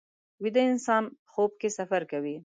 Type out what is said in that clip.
ویده انسان خوب کې سفر کوي